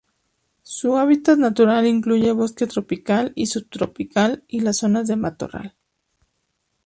Su hábitat natural incluye bosque tropical y subtropical y las zonas de matorral.